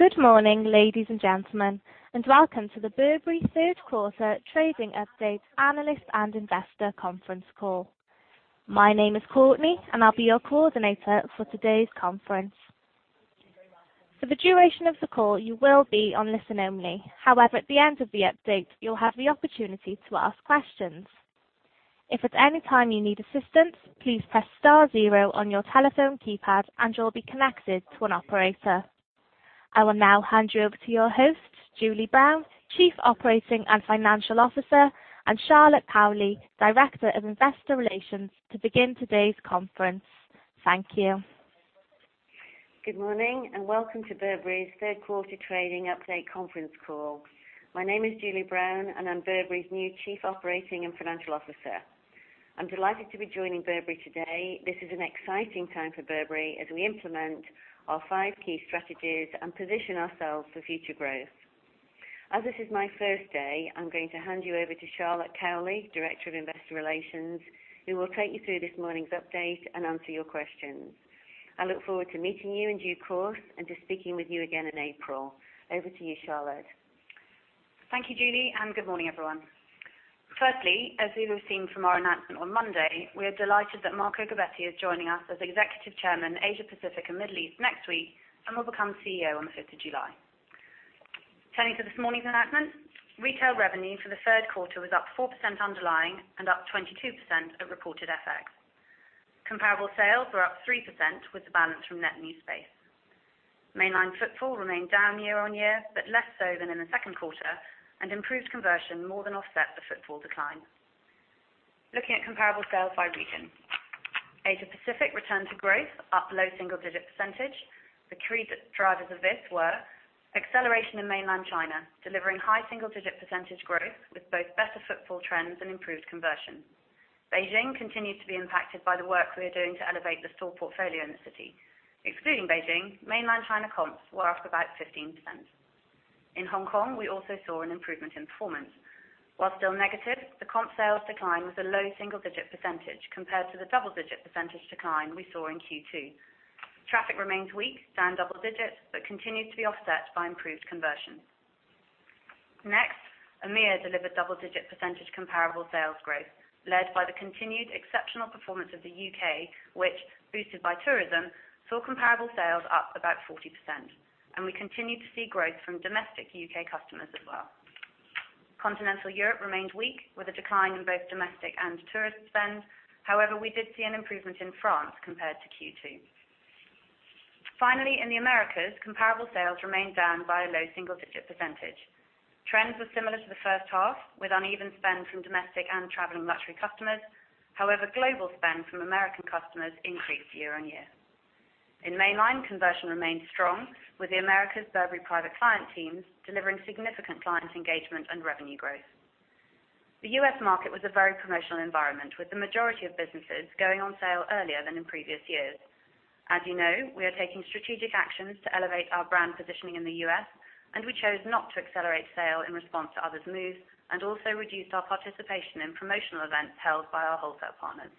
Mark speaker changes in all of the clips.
Speaker 1: Good morning, ladies and gentlemen, welcome to the Burberry third quarter trading update analyst and investor conference call. My name is Courtney and I'll be your coordinator for today's conference. For the duration of the call, you will be on listen-only. However, at the end of the update, you'll have the opportunity to ask questions. If at any time you need assistance, please press star zero on your telephone keypad and you'll be connected to an operator. I will now hand you over to your host, Julie Brown, Chief Operating and Financial Officer, and Charlotte Cowley, Director of Investor Relations, to begin today's conference. Thank you.
Speaker 2: Good morning, welcome to Burberry's third quarter trading update conference call. My name is Julie Brown, and I'm Burberry's new Chief Operating and Financial Officer. I'm delighted to be joining Burberry today. This is an exciting time for Burberry as we implement our five key strategies and position ourselves for future growth. As this is my first day, I'm going to hand you over to Charlotte Cowley, Director of Investor Relations, who will take you through this morning's update and answer your questions. I look forward to meeting you in due course and to speaking with you again in April. Over to you, Charlotte.
Speaker 3: Thank you, Julie, good morning, everyone. Firstly, as you have seen from our announcement on Monday, we are delighted that Marco Gobbetti is joining us as Executive Chairman, Asia Pacific and Middle East next week, and will become CEO on the 5th of July. Turning to this morning's announcement, retail revenue for the third quarter was up 4% underlying and up 22% at reported FX. Comparable sales were up 3% with the balance from net new space. Mainline footfall remained down year-on-year, but less so than in the second quarter, and improved conversion more than offset the footfall decline. Looking at comparable sales by region. Asia Pacific returned to growth, up low single-digit percentage. The key drivers of this were acceleration in mainland China, delivering high single-digit percentage growth with both better footfall trends and improved conversion. Beijing continued to be impacted by the work we are doing to elevate the store portfolio in the city. Excluding Beijing, mainland China comps were up about 15%. In Hong Kong, we also saw an improvement in performance. While still negative, the comp sales decline was a low single-digit percentage compared to the double-digit percentage decline we saw in Q2. Traffic remains weak, down double digits, but continued to be offset by improved conversion. Next, EMEA delivered double-digit percentage comparable sales growth, led by the continued exceptional performance of the U.K., which, boosted by tourism, saw comparable sales up about 40%. We continued to see growth from domestic U.K. customers as well. Continental Europe remained weak, with a decline in both domestic and tourist spend. However, we did see an improvement in France compared to Q2. Finally, in the Americas, comparable sales remained down by a low single-digit percentage. Trends were similar to the first half, with uneven spend from domestic and traveling luxury customers. However, global spend from American customers increased year-on-year. In mainline, conversion remained strong with the Americas Burberry Private Client teams delivering significant client engagement and revenue growth. The U.S. market was a very promotional environment, with the majority of businesses going on sale earlier than in previous years. As you know, we are taking strategic actions to elevate our brand positioning in the U.S., and we chose not to accelerate sale in response to others' moves and also reduced our participation in promotional events held by our wholesale partners.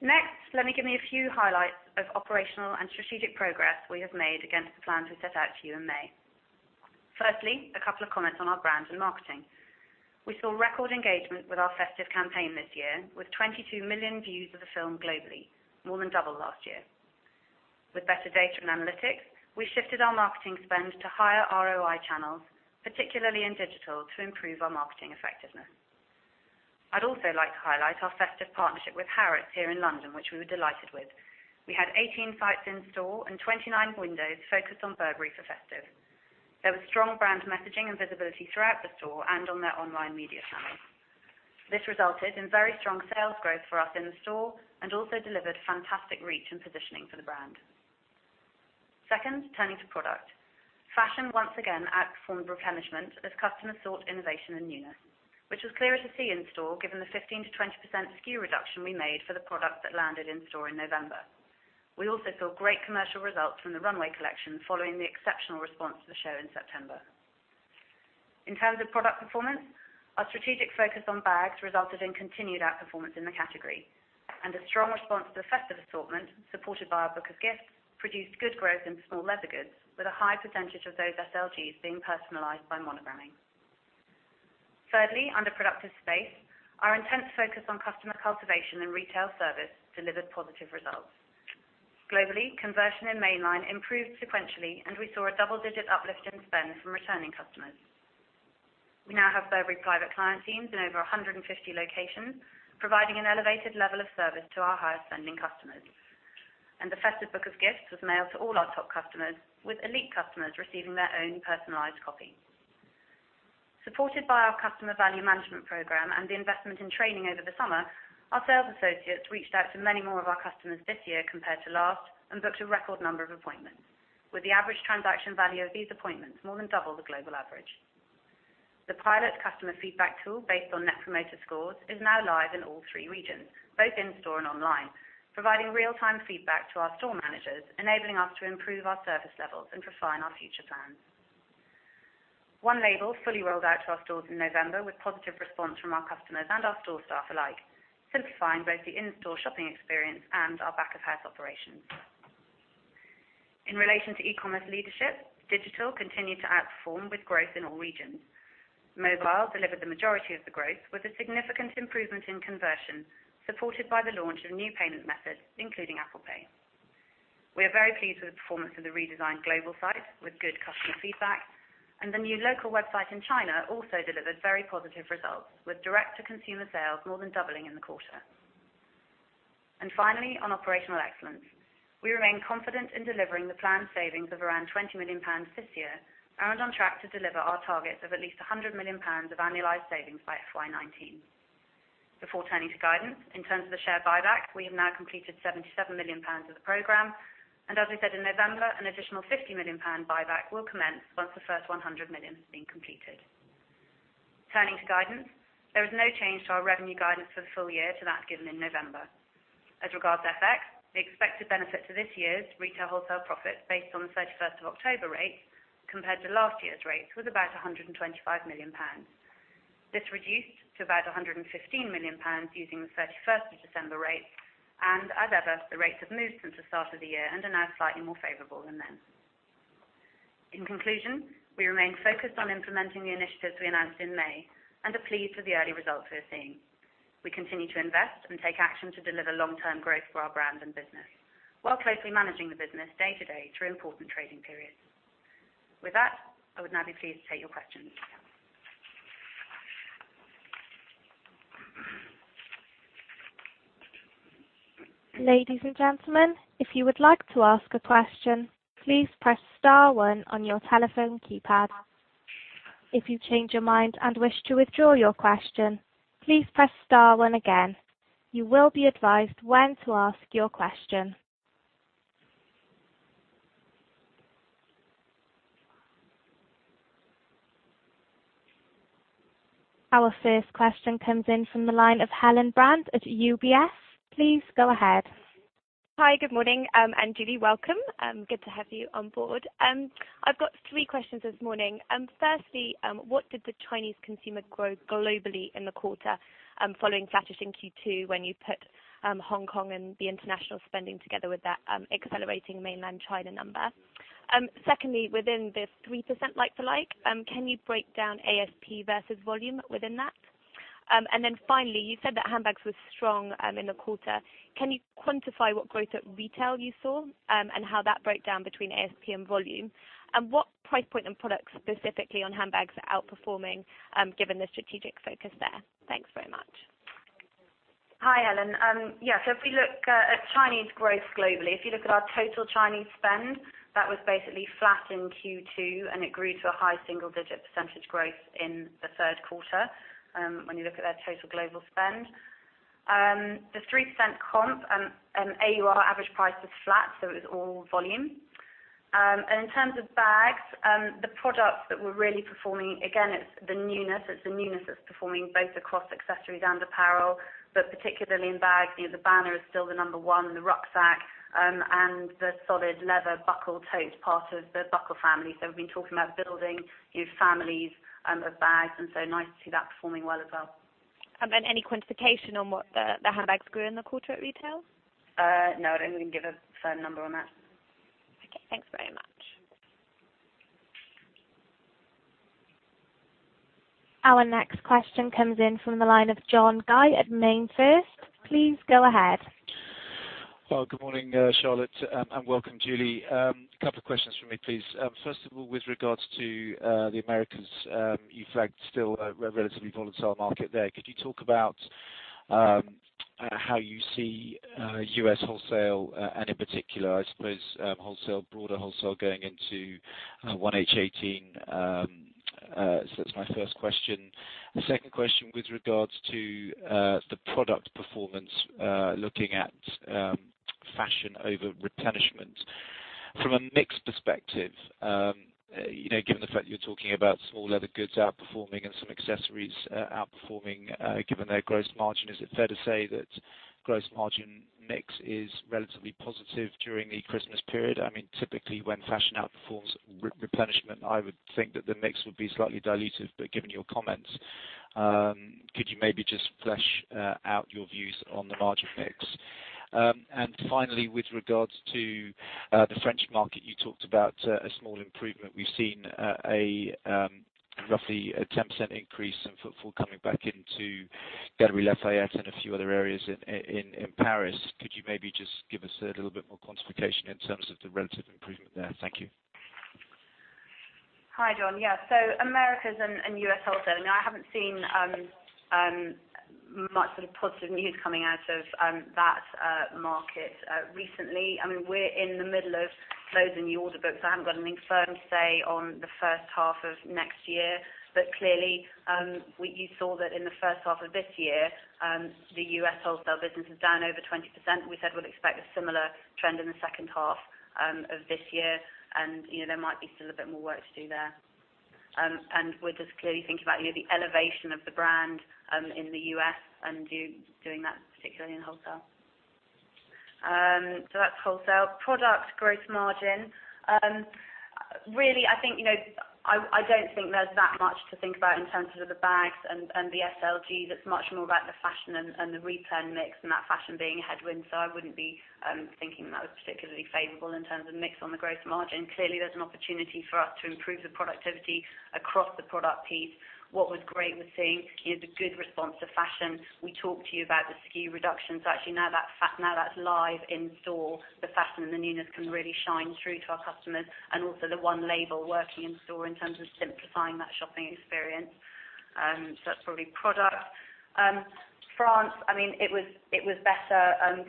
Speaker 3: Let me give me a few highlights of operational and strategic progress we have made against the plans we set out to you in May. A couple of comments on our brand and marketing. We saw record engagement with our festive campaign this year, with 22 million views of the film globally, more than double last year. With better data and analytics, we shifted our marketing spend to higher ROI channels, particularly in digital, to improve our marketing effectiveness. I'd also like to highlight our festive partnership with Harrods here in London, which we were delighted with. We had 18 sites in store and 29 windows focused on Burberry for festive. There was strong brand messaging and visibility throughout the store and on their online media channels. This resulted in very strong sales growth for us in the store and also delivered fantastic reach and positioning for the brand. Turning to product. Fashion once again outperformed replenishment as customers sought innovation and newness, which was clearer to see in store given the 15%-20% SKU reduction we made for the product that landed in store in November. We also saw great commercial results from the runway collection following the exceptional response to the show in September. In terms of product performance, our strategic focus on bags resulted in continued outperformance in the category, and a strong response to the festive assortment, supported by our Book of Gifts, produced good growth in Small Leather Goods, with a high percentage of those SLGs being personalized by monogramming. Under productive space, our intense focus on customer cultivation and retail service delivered positive results. Globally, conversion in mainline improved sequentially, and we saw a double-digit uplift in spend from returning customers. We now have Burberry Private Client teams in over 150 locations, providing an elevated level of service to our highest-spending customers. The festive Book of Gifts was mailed to all our top customers, with elite customers receiving their own personalized copy. Supported by our Customer Value Management program and the investment in training over the summer, our sales associates reached out to many more of our customers this year compared to last and booked a record number of appointments, with the average transaction value of these appointments more than double the global average. The pilot customer feedback tool, based on Net Promoter Scores, is now live in all three regions, both in-store and online, providing real-time feedback to our store managers, enabling us to improve our service levels and refine our future plans. One label fully rolled out to our stores in November with positive response from our customers and our store staff alike, simplifying both the in-store shopping experience and our back-of-house operations. In relation to e-commerce leadership, digital continued to outperform with growth in all regions. Mobile delivered the majority of the growth with a significant improvement in conversion, supported by the launch of new payment methods, including Apple Pay. We are very pleased with the performance of the redesigned global site, with good customer feedback, and the new local website in China also delivered very positive results, with direct-to-consumer sales more than doubling in the quarter. Finally, on operational excellence, we remain confident in delivering the planned savings of around 20 million pounds this year and on track to deliver our targets of at least 100 million pounds of annualized savings by FY 2019. Before turning to guidance, in terms of the share buyback, we have now completed 77 million pounds of the program. As we said in November, an additional 50 million pound buyback will commence once the first 100 million has been completed. Turning to guidance, there is no change to our revenue guidance for the full year to that given in November. As regards FX, the expected benefit to this year's retail wholesale profit based on the 31st of October rates compared to last year's rates was about 125 million pounds. This reduced to about 115 million pounds using the 31st of December rates. As ever, the rates have moved since the start of the year and are now slightly more favorable than then. In conclusion, we remain focused on implementing the initiatives we announced in May and are pleased with the early results we are seeing. We continue to invest and take action to deliver long-term growth for our brand and business while closely managing the business day-to-day through important trading periods. With that, I would now be pleased to take your questions.
Speaker 1: Ladies and gentlemen, if you would like to ask a question, please press star 1 on your telephone keypad. If you change your mind and wish to withdraw your question, please press star 1 again. You will be advised when to ask your question. Our first question comes in from the line of Helen Brand at UBS. Please go ahead.
Speaker 4: Hi, good morning, Julie, welcome. Good to have you on board. I've got three questions this morning. Firstly, what did the Chinese consumer grow globally in the quarter following flattish in Q2 when you put Hong Kong and the international spending together with that accelerating mainland China number? Secondly, within this 3% like-to-like, can you break down ASP versus volume within that? Finally, you said that handbags was strong in the quarter. Can you quantify what growth at retail you saw and how that broke down between ASP and volume? What price point and products specifically on handbags are outperforming given the strategic focus there? Thanks very much.
Speaker 3: Hi, Helen. Yeah, if we look at Chinese growth globally, if you look at our total Chinese spend, that was basically flat in Q2, and it grew to a high single-digit percentage growth in the third quarter when you look at their total global spend. The 3% comp and AUR average price was flat, so it was all volume. In terms of bags, the products that were really performing, again, it's the newness. It's the newness that's performing both across accessories and apparel, but particularly in bags. The Banner is still the number one, the rucksack, and the solid leather Buckle Tote, part of the buckle family. We've been talking about building new families of bags, nice to see that performing well as well.
Speaker 4: Any quantification on what the handbags grew in the quarter at retail?
Speaker 3: No, I don't want to give a firm number on that.
Speaker 4: Okay, thanks very much.
Speaker 1: Our next question comes in from the line of John Guy at MainFirst. Please go ahead.
Speaker 5: Well, good morning, Charlotte, and welcome, Julie. A couple of questions from me, please. First of all, with regards to the Americas, you flagged still a relatively volatile market there. Could you talk about how you see U.S. wholesale and in particular, I suppose, broader wholesale going into 1H18? That's my first question. The second question with regards to the product performance, looking at fashion over replenishment. From a mix perspective, given the fact you're talking about small leather goods outperforming and some accessories outperforming, given their gross margin, is it fair to say that gross margin mix is relatively positive during the Christmas period? Typically, when fashion outperforms replenishment, I would think that the mix would be slightly dilutive, but given your comments, could you maybe just flesh out your views on the margin mix? Finally, with regards to the French market, you talked about a small improvement. We've seen roughly a 10% increase in footfall coming back into Galeries Lafayette and a few other areas in Paris. Could you maybe just give us a little bit more quantification in terms of the relative improvement there? Thank you.
Speaker 3: Hi, John. Yeah. Americas and U.S. wholesale. I haven't seen much sort of positive news coming out of that market recently. We're in the middle of closing the order books. I haven't got anything firm to say on the first half of next year. Clearly, you saw that in the first half of this year, the U.S. wholesale business was down over 20%. We said we'll expect a similar trend in the second half of this year, and there might be still a bit more work to do there. We're just clearly thinking about the elevation of the brand in the U.S. and doing that particularly in wholesale. That's wholesale. Product gross margin. Really, I don't think there's that much to think about in terms of the bags and the SLG that's much more about the fashion and the replan mix and that fashion being a headwind, so I wouldn't be thinking that was particularly favorable in terms of mix on the gross margin. Clearly, there's an opportunity for us to improve the productivity across the product piece. What was great was seeing SKU had a good response to fashion. We talked to you about the SKU reductions. Actually now that's live in store, the fashion and the newness can really shine through to our customers and also the one label working in store in terms of simplifying that shopping experience. That's probably product. France, it was better.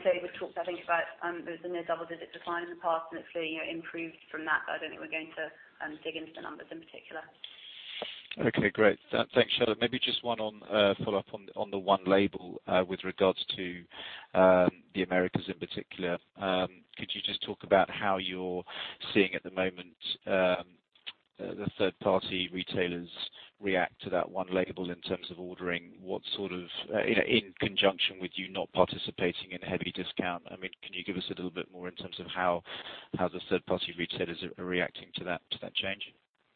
Speaker 3: Clearly we've talked, I think, about there was a near double-digit decline in the past, and it's clearly improved from that, but I don't think we're going to dig into the numbers in particular.
Speaker 5: Okay, great. Thanks, Charlotte. Just one follow-up on the one label with regards to the Americas in particular. Could you just talk about how you're seeing at the moment the third-party retailers react to that one label in terms of ordering, in conjunction with you not participating in heavy discount? Can you give us a little bit more in terms of how the third-party retailers are reacting to that change?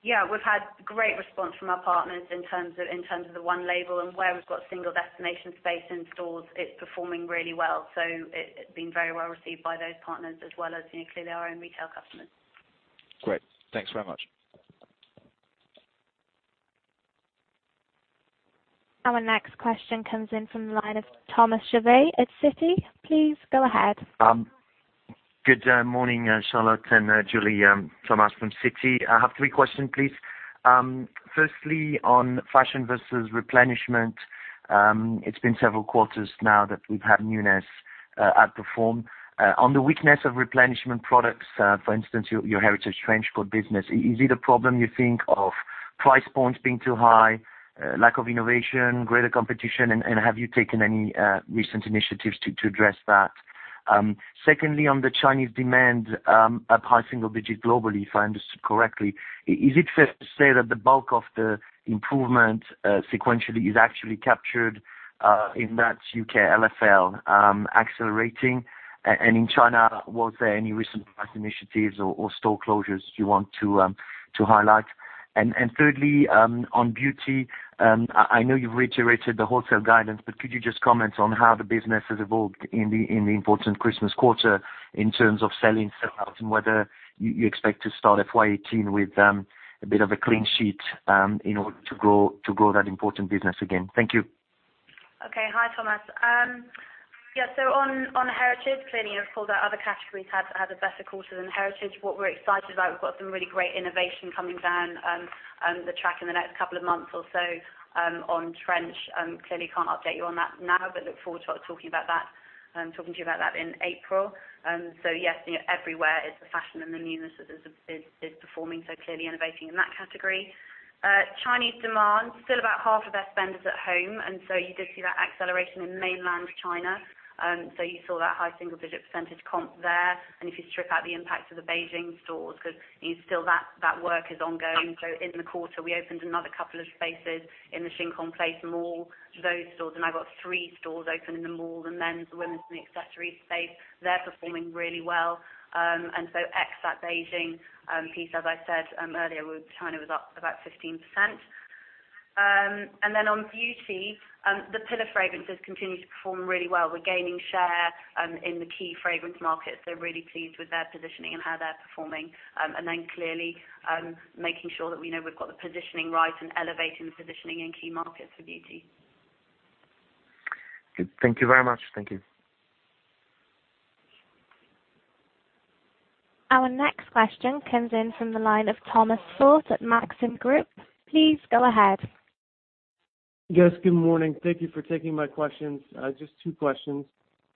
Speaker 3: Yeah. We've had great response from our partners in terms of the one label and where we've got single destination space in stores, it's performing really well. It's been very well received by those partners as well as clearly our own retail customers.
Speaker 5: Great. Thanks very much.
Speaker 1: Our next question comes in from the line of Thomas Chauvet at Citi. Please go ahead.
Speaker 6: Good morning, Charlotte and Julie. Thomas from Citi. I have three questions, please. Firstly, on fashion versus replenishment. It's been several quarters now that we've had newness outperform. On the weakness of replenishment products, for instance, your Heritage Trench Coat business, is it a problem you think of price points being too high, lack of innovation, greater competition, and have you taken any recent initiatives to address that? Secondly, on the Chinese demand, up high single digit globally, if I understood correctly. Is it fair to say that the bulk of the improvement sequentially is actually captured in that U.K. LFL accelerating? In China, was there any recent price initiatives or store closures you want to highlight? Thirdly, on beauty, I know you've reiterated the wholesale guidance, but could you just comment on how the business has evolved in the important Christmas quarter in terms of selling, sell-outs, and whether you expect to start FY 2018 with a bit of a clean sheet in order to grow that important business again. Thank you.
Speaker 3: Okay. Hi, Thomas. On heritage, clearly you recall that other categories had a better quarter than heritage. What we're excited about, we've got some really great innovation coming down the track in the next couple of months or so on trench. Clearly can't update you on that now, but look forward to talking to you about that in April. Everywhere is the fashion and the newness is performing, so clearly innovating in that category. Chinese demand, still about half of their spend is at home, you did see that acceleration in mainland China. You saw that high single-digit percentage comp there. If you strip out the impact of the Beijing stores, because still that work is ongoing. In the quarter, we opened another couple of spaces in the Shin Kong Place Mall. Those stores, I've got three stores open in the mall, the men's, the women's, and the accessories space. They're performing really well. Ex that Beijing piece, as I said earlier, China was up about 15%. On beauty, the pillar fragrances continue to perform really well. We're gaining share in the key fragrance markets. They're really pleased with their positioning and how they're performing. Clearly, making sure that we know we've got the positioning right and elevating the positioning in key markets for beauty.
Speaker 6: Good. Thank you very much. Thank you.
Speaker 1: Our next question comes in from the line of Thomas Forte at Maxim Group. Please go ahead.
Speaker 7: Yes, good morning. Thank you for taking my questions. Just two questions.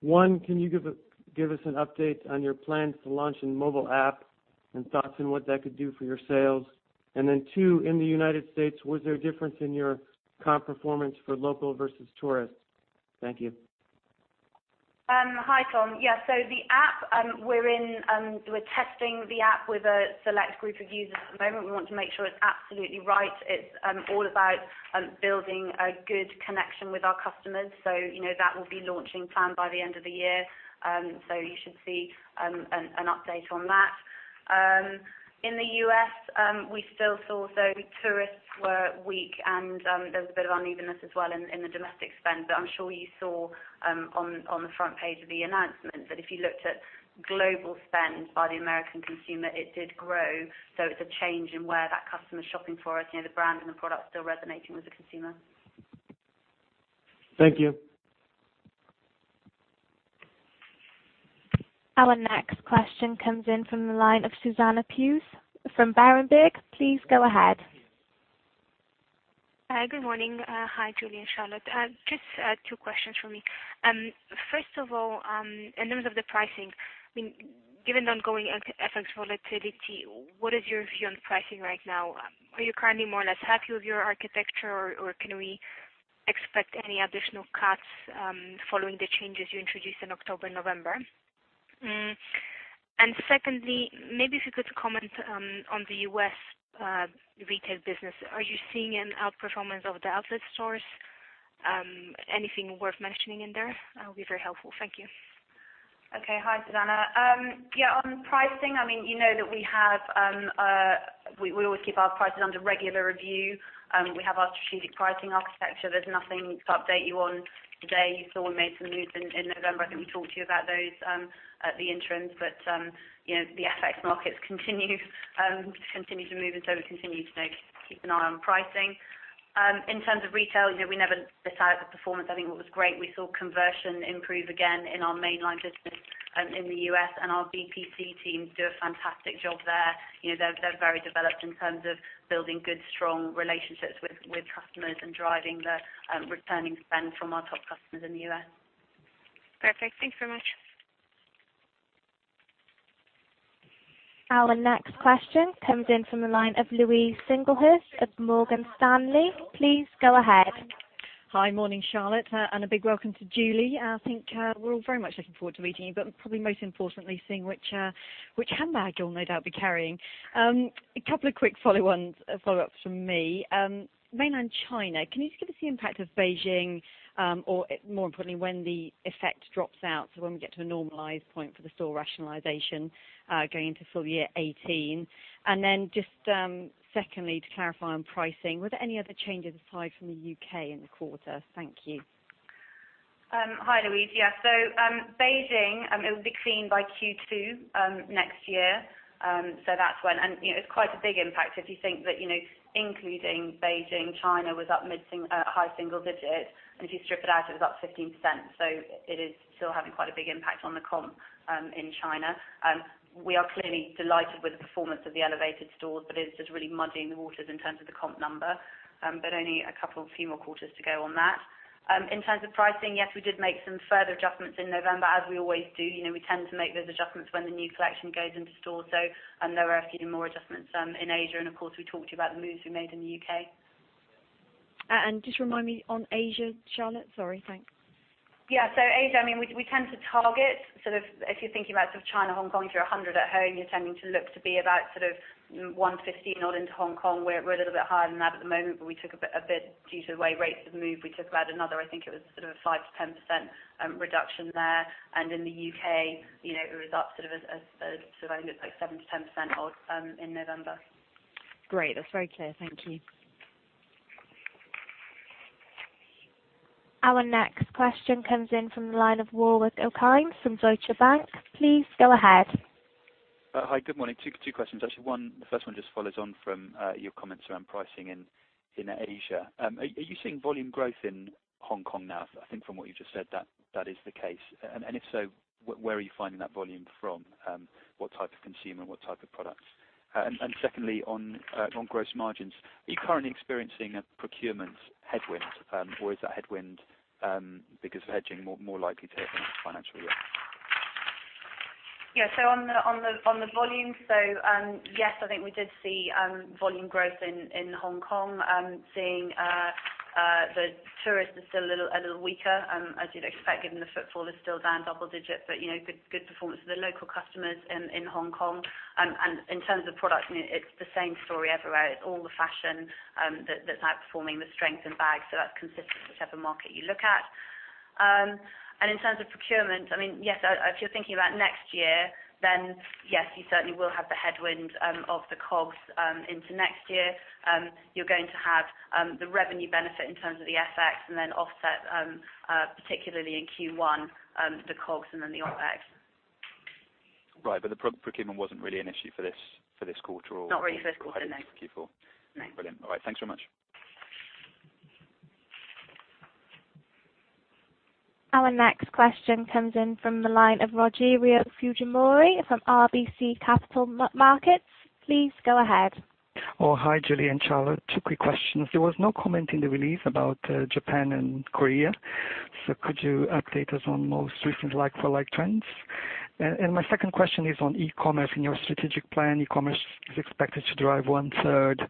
Speaker 7: One, can you give us an update on your plans to launch a mobile app and thoughts on what that could do for your sales? Then two, in the U.S., was there a difference in your comp performance for local versus tourists? Thank you.
Speaker 3: Hi, Tom. Yes. The app, we're testing the app with a select group of users at the moment. We want to make sure it's absolutely right. It's all about building a good connection with our customers. That will be launching planned by the end of the year. You should see an update on that. In the U.S., we still saw, tourists were weak, there was a bit of unevenness as well in the domestic spend. I'm sure you saw on the front page of the announcement that if you looked at global spend by the American consumer, it did grow. It's a change in where that customer's shopping for us. The brand and the product still resonating with the consumer.
Speaker 7: Thank you.
Speaker 1: Our next question comes in from the line of Susanna Puig from Berenberg. Please go ahead.
Speaker 8: Hi, good morning. Hi, Julie and Charlotte. Just two questions from me. First of all, in terms of the pricing, given the ongoing FX volatility, what is your view on pricing right now? Are you currently more or less happy with your architecture, or can we expect any additional cuts following the changes you introduced in October, November? Secondly, maybe if you could comment on the U.S. retail business. Are you seeing an outperformance of the outlet stores? Anything worth mentioning in there? That will be very helpful. Thank you.
Speaker 3: Okay. Hi, Susanna. Yeah, on pricing, you know that we always keep our prices under regular review. We have our strategic pricing architecture. There's nothing to update you on today. You saw we made some moves in November. I think we talked to you about those at the interim. The FX markets continue to move. We continue to keep an eye on pricing. In terms of retail, we never miss out the performance. I think what was great, we saw conversion improve again in our mainline business in the U.S., and our BPC teams do a fantastic job there. They're very developed in terms of building good, strong relationships with customers and driving the returning spend from our top customers in the U.S.
Speaker 8: Perfect. Thanks very much.
Speaker 1: Our next question comes in from the line of Louise Singlehurst of Morgan Stanley. Please go ahead.
Speaker 9: Hi. Morning, Charlotte, and a big welcome to Julie. I think we're all very much looking forward to meeting you, but probably most importantly, seeing which handbag you'll no doubt be carrying. A couple of quick follow-ups from me. Mainland China, can you just give us the impact of Beijing, or more importantly, when the effect drops out, so when we get to a normalized point for the store rationalization going into full year 2018? Then just secondly, to clarify on pricing, were there any other changes aside from the U.K. in the quarter? Thank you.
Speaker 3: Hi, Louise. Yeah. Beijing, it will be clean by Q2 next year. It's quite a big impact if you think that including Beijing, China was up mid-high single digits, and if you strip it out, it was up 15%. It is still having quite a big impact on the comp in China. We are clearly delighted with the performance of the elevated stores, but it is just really muddying the waters in terms of the comp number. Only a couple few more quarters to go on that. In terms of pricing, yes, we did make some further adjustments in November, as we always do. We tend to make those adjustments when the new collection goes into stores, so there are a few more adjustments in Asia. Of course, we talked to you about the moves we made in the U.K.
Speaker 9: Just remind me on Asia, Charlotte. Sorry. Thanks.
Speaker 3: Asia, we tend to target, if you're thinking about China, Hong Kong, if you're 100 at home, you're tending to look to be about 150 and odd into Hong Kong. We're a little bit higher than that at the moment, but we took a bit due to the way rates have moved. We took about another, I think, it was sort of a 5%-10% reduction there. In the U.K., it was up sort of only looks like 7%-10% odd in November.
Speaker 9: Great. That's very clear. Thank you.
Speaker 1: Our next question comes in from the line of Warwick Okines from Deutsche Bank. Please go ahead.
Speaker 10: Hi, good morning. Two questions. Actually, the first one just follows on from your comments around pricing in Asia. Are you seeing volume growth in Hong Kong now? I think from what you just said, that is the case. If so, where are you finding that volume from? What type of consumer, what type of products? Secondly, on gross margins, are you currently experiencing a procurement headwind, or is that headwind because of hedging, more likely to hit the next financial year?
Speaker 3: Yeah. On the volume, yes, I think we did see volume growth in Hong Kong, seeing the tourists are still a little weaker, as you'd expect, given the footfall is still down double digits, but good performance for the local customers in Hong Kong. In terms of products, it's the same story everywhere. It's all the fashion that's outperforming the strength in bags. That's consistent whichever market you look at. In terms of procurement, yes, if you're thinking about next year, yes, you certainly will have the headwind of the COGS into next year. You're going to have the revenue benefit in terms of the FX and then offset, particularly in Q1, the COGS and then the OpEx.
Speaker 10: Right. The procurement wasn't really an issue for this quarter or-
Speaker 3: Not really for this quarter, no
Speaker 10: heading into Q4.
Speaker 3: No.
Speaker 10: Brilliant. All right. Thanks so much.
Speaker 1: Our next question comes in from the line of Rogério Fujimori from RBC Capital Markets. Please go ahead.
Speaker 11: Hi, Julie and Charlotte. Two quick questions. There was no comment in the release about Japan and Korea, could you update us on most recent like-for-like trends? My second question is on e-commerce. In your strategic plan, e-commerce is expected to drive one-third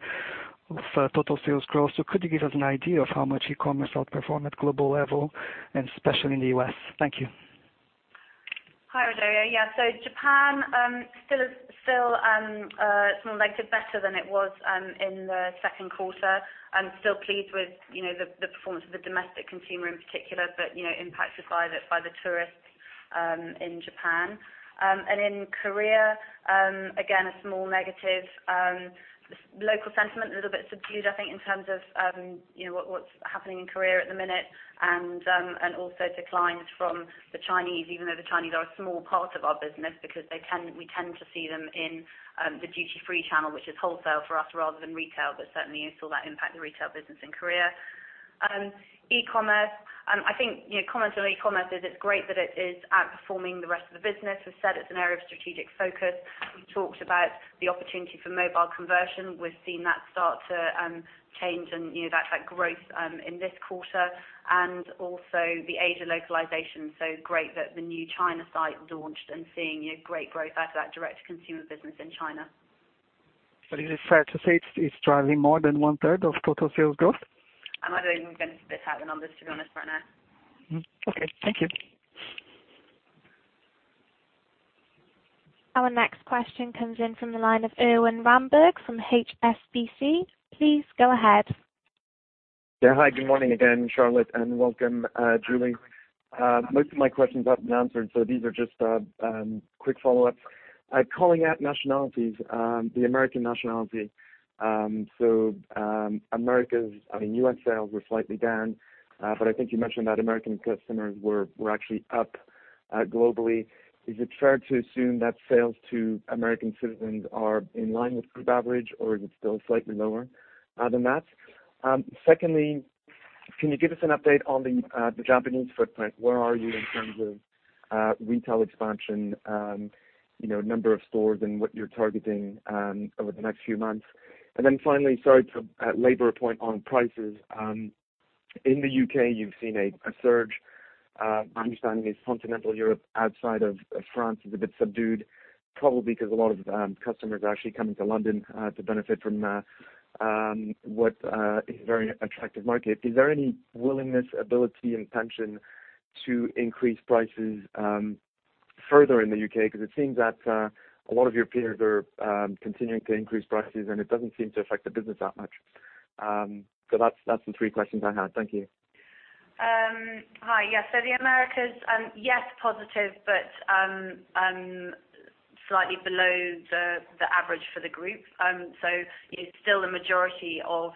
Speaker 11: of total sales growth. Could you give us an idea of how much e-commerce will perform at global level and especially in the U.S.? Thank you.
Speaker 3: Hi, Rogério. Japan, still small negative. Better than it was in the second quarter, and still pleased with the performance of the domestic consumer in particular, but impacted by the tourists in Japan. In Korea, again, a small negative. Local sentiment a little bit subdued, I think, in terms of what's happening in Korea at the minute, also declines from the Chinese, even though the Chinese are a small part of our business because we tend to see them in the duty-free channel, which is wholesale for us rather than retail. Certainly you saw that impact the retail business in Korea. E-commerce. I think comment on e-commerce is it's great that it is outperforming the rest of the business. As I said, it's an area of strategic focus. We talked about the opportunity for mobile conversion. We're seeing that start to change and that growth in this quarter and also the Asia localization. Great that the new China site launched and seeing great growth out of that direct consumer business in China.
Speaker 11: Is it fair to say it's driving more than one-third of total sales growth?
Speaker 3: I'm not even going to spit out the numbers, to be honest right now.
Speaker 11: Okay. Thank you.
Speaker 1: Our next question comes in from the line of Erwan Rambourg from HSBC. Please go ahead.
Speaker 12: Yeah. Hi. Good morning again, Charlotte, and welcome, Julie. Most of my questions have been answered, so these are just quick follow-ups. Calling out nationalities, the American nationality. U.S. sales were slightly down, but I think you mentioned that American customers were actually up globally. Is it fair to assume that sales to American citizens are in line with group average, or is it still slightly lower than that? Secondly, can you give us an update on the Japanese footprint? Where are you in terms of retail expansion, number of stores, and what you're targeting over the next few months? Finally, sorry to labor a point on prices. In the U.K., you've seen a surge. My understanding is continental Europe outside of France is a bit subdued, probably because a lot of customers are actually coming to London to benefit from what is a very attractive market. Is there any willingness, ability, intention to increase prices further in the U.K.? Because it seems that a lot of your peers are continuing to increase prices, and it doesn't seem to affect the business that much. That's the three questions I had. Thank you.
Speaker 3: Hi. Yes. The Americas, yes, positive, but slightly below the average for the group. Still the majority of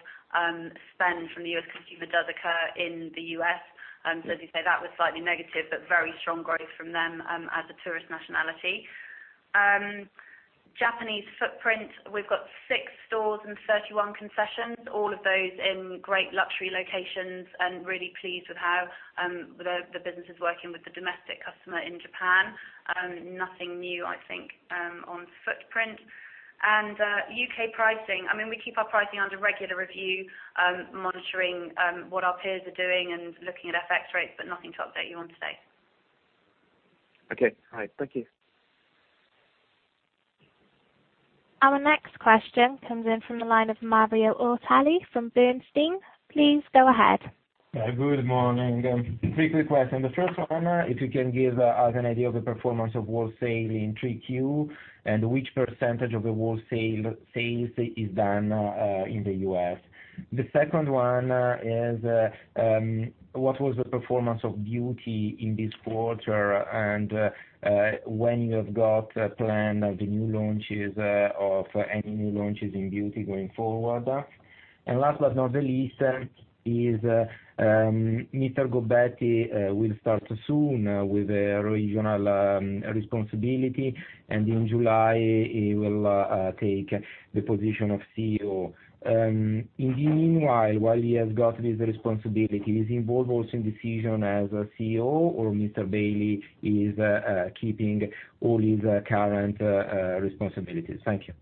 Speaker 3: spend from the U.S. consumer does occur in the U.S. As you say, that was slightly negative but very strong growth from them as a tourist nationality. Japanese footprint, we've got six stores and 31 concessions, all of those in great luxury locations, and really pleased with how the business is working with the domestic customer in Japan. Nothing new, I think, on footprint. U.K. pricing, we keep our pricing under regular review, monitoring what our peers are doing and looking at FX rates, but nothing to update you on today.
Speaker 12: Okay. All right. Thank you.
Speaker 1: Our next question comes in from the line of Mario Ortelli from Bernstein. Please go ahead.
Speaker 13: Good morning. Three quick questions. The first one, if you can give us an idea of the performance of wholesale in 3Q and which percentage of the wholesale sales is done in the U.S. The second one is, what was the performance of beauty in this quarter, and when you have got plan of the new launches of any new launches in beauty going forward? Last but not the least is, Mr. Gobbetti will start soon with regional responsibility, and in July, he will take the position of CEO. In the meanwhile, while he has got his responsibilities, is he involved also in decision as CEO or Mr. Bailey is keeping all his current responsibilities? Thank you.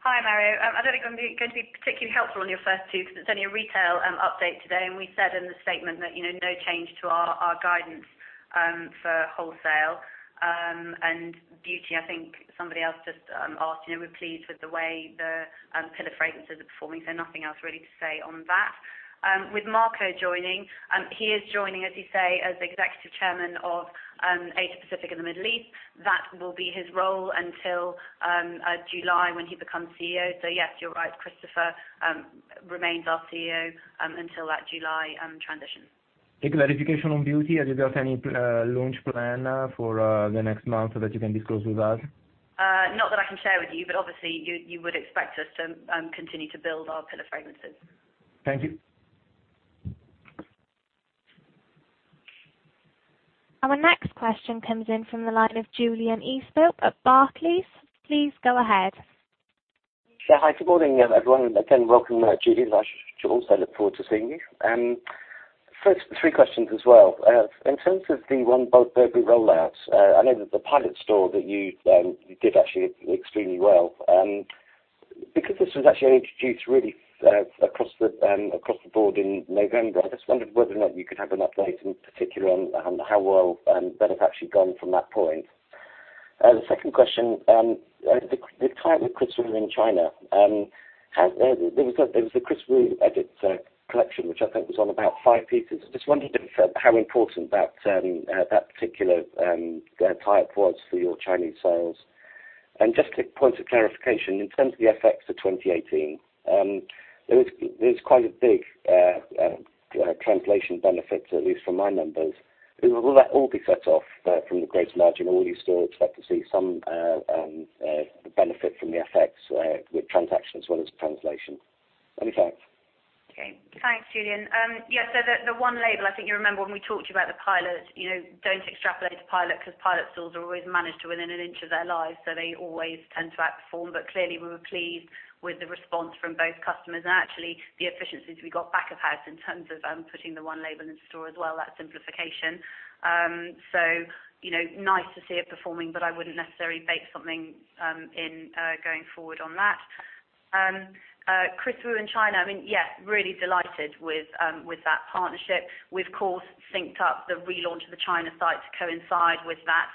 Speaker 3: Hi, Mario. I don't think I'm going to be particularly helpful on your first two because it's only a retail update today. We said in the statement that no change to our guidance for wholesale. Beauty, I think somebody else just asked. We're pleased with the way the pillar fragrances are performing, so nothing else really to say on that. With Marco joining, he is joining, as you say, as Executive Chairman of Asia Pacific and the Middle East. That will be his role until July when he becomes CEO. Yes, you're right, Christopher remains our CEO until that July transition.
Speaker 13: A clarification on beauty. Have you got any launch plan for the next month that you can disclose with us?
Speaker 3: Not that I can share with you, but obviously, you would expect us to continue to build our pillar fragrances.
Speaker 13: Thank you.
Speaker 1: Our next question comes in from the line of Julian Eastbrook at Barclays. Please go ahead.
Speaker 14: Yeah. Hi. Good morning, everyone. Again, welcome, Julie. I also look forward to seeing you. First, three questions as well. In terms of the one Burberry rollout, I know that the pilot store that you did actually extremely well. Because this was actually introduced really across the board in November, I just wondered whether or not you could have an update in particular on how well that has actually gone from that point. The second question, the tie-up with Christopher in China. There was the Kris Wu edit collection, which I think was on about five pieces. I just wondered how important that particular tie-up was for your Chinese sales. Just a point of clarification, in terms of the FX for 2018, there is quite a big translation benefit, at least from my numbers. Will that all be set off from the greater margin? Will you still expect to see some benefit from the FX with transaction as well as translation? Many thanks.
Speaker 3: Okay. Thanks, Julian. Yeah, the one label, I think you remember when we talked to you about the pilot. Don't extrapolate a pilot because pilot stores are always managed to within an inch of their lives, so they always tend to outperform. Clearly, we were pleased with the response from both customers and actually the efficiencies we got back of house in terms of putting the one label in store as well, that simplification. Nice to see it performing, but I wouldn't necessarily bake something in going forward on that. Kris Wu in China, yes, really delighted with that partnership. We, of course, synced up the relaunch of the China site to coincide with that.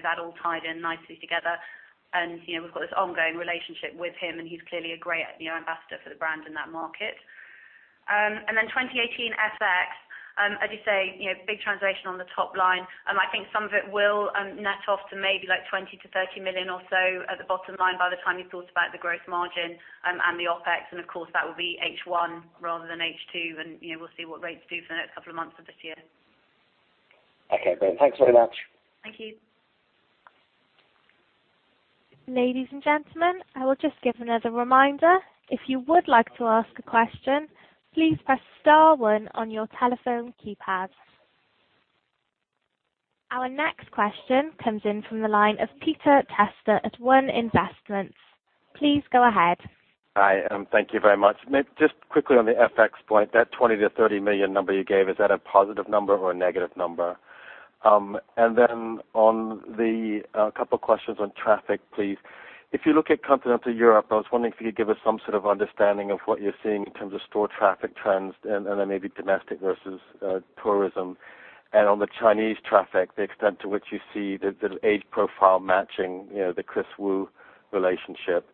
Speaker 3: That all tied in nicely together. We've got this ongoing relationship with him, and he's clearly a great ambassador for the brand in that market. 2018 FX, as you say, big translation on the top line. I think some of it will net off to maybe 20 million-30 million or so at the bottom line by the time you've thought about the growth margin and the OpEx. Of course, that will be H1 rather than H2, and we'll see what rates do for the next couple of months of this year.
Speaker 14: Okay, brilliant. Thanks very much.
Speaker 3: Thank you.
Speaker 1: Ladies and gentlemen, I will just give another reminder. If you would like to ask a question, please press star one on your telephone keypad. Our next question comes in from the line of Peter Testa at One Investments. Please go ahead.
Speaker 15: Hi. Thank you very much. Just quickly on the FX point, that 20 million to 30 million number you gave, is that a positive number or a negative number? On the couple questions on traffic, please. If you look at continental Europe, I was wondering if you could give us some sort of understanding of what you are seeing in terms of store traffic trends, then maybe domestic versus tourism. On the Chinese traffic, the extent to which you see the age profile matching the Kris Wu relationship.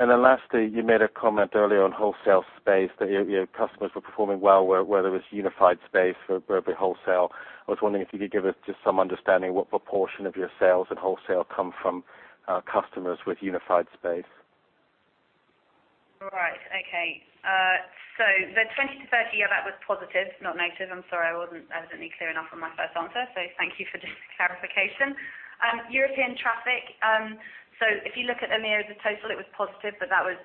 Speaker 15: Lastly, you made a comment earlier on wholesale space that your customers were performing well where there was unified space for Burberry wholesale. I was wondering if you could give us just some understanding what proportion of your sales in wholesale come from customers with unified space.
Speaker 3: Right. Okay. The 20 million to 30 million, that was positive, not negative. I'm sorry I wasn't evidently clear enough on my first answer, thank you for the clarification. European traffic. If you look at EMEA as a total, it was positive, but that was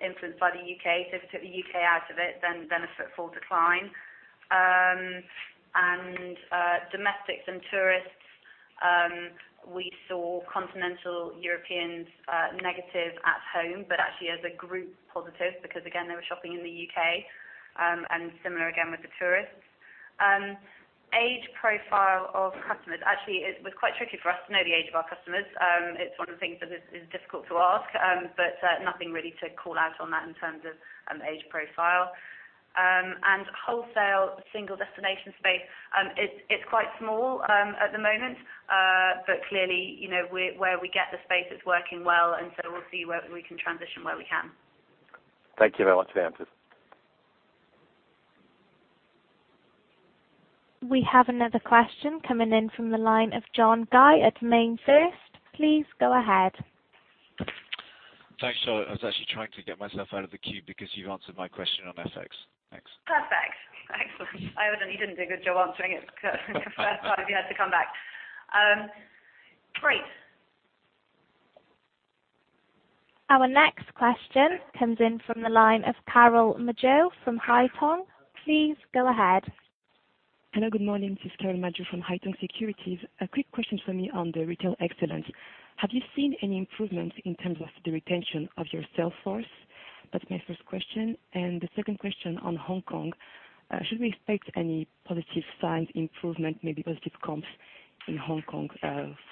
Speaker 3: influenced by the U.K. If you took the U.K. out of it, then a footfall decline. Domestics and tourists, we saw continental Europeans negative at home, but actually as a group positive because, again, they were shopping in the U.K., similar again with the tourists. Age profile of customers. Actually, it was quite tricky for us to know the age of our customers. It's one of the things that is difficult to ask, but nothing really to call out on that in terms of age profile. Wholesale single destination space, it's quite small at the moment. Clearly, where we get the space, it's working well, we'll see whether we can transition where we can.
Speaker 15: Thank you very much for the answers.
Speaker 1: We have another question coming in from the line of John Guy at MainFirst. Please go ahead.
Speaker 5: Thanks. I was actually trying to get myself out of the queue because you answered my question on FX. Thanks.
Speaker 3: Perfect. Excellent. I evidently didn't do a good job answering it because for the first time you had to come back. Great.
Speaker 1: Our next question comes in from the line of Carole Madjo from Haitong. Please go ahead.
Speaker 16: Hello, good morning. This is Carole Madjo from Haitong Securities. A quick question from me on the retail excellence. Have you seen any improvements in terms of the retention of your sales force? That is my first question. The second question on Hong Kong. Should we expect any positive signs, improvement, maybe positive comps in Hong Kong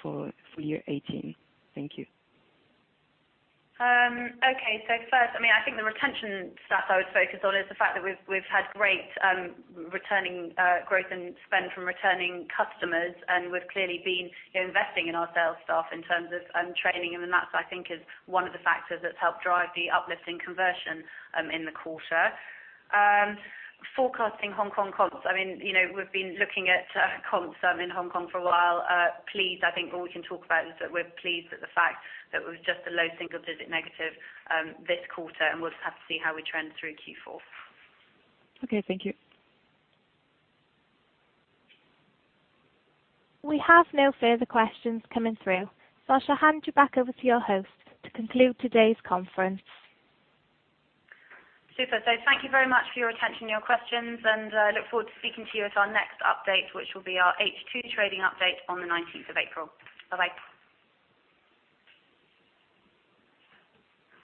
Speaker 16: for year 2018? Thank you.
Speaker 3: First, I think the retention stuff I would focus on is the fact that we've had great growth in spend from returning customers, and we've clearly been investing in our sales staff in terms of training, and that I think is one of the factors that's helped drive the uplift in conversion in the quarter. Forecasting Hong Kong comps. We've been looking at comps in Hong Kong for a while. Pleased, I think all we can talk about is that we're pleased with the fact that it was just a low single-digit negative this quarter. We'll just have to see how we trend through Q4.
Speaker 16: Okay, thank you.
Speaker 1: We have no further questions coming through. I shall hand you back over to your host to conclude today's conference.
Speaker 3: Super. Thank you very much for your attention and your questions, and I look forward to speaking to you at our next update, which will be our H2 trading update on the 19th of April. Bye-bye.